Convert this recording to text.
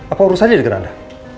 apa urusan ini dengan anda